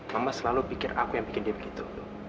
mama selalu pikir aku yang bikin dia begitu